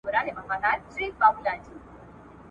تعلیم ځواني مېرمني پیاوړي کوي، تر څو مثبت بدلون راولي.